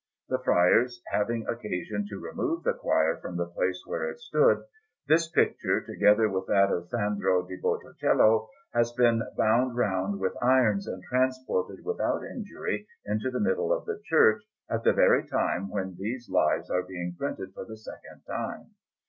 The friars having occasion to remove the choir from the place where it stood, this picture, together with that of Sandro di Botticello, has been bound round with irons and transported without injury into the middle of the church, at the very time when these Lives are being printed for the second time.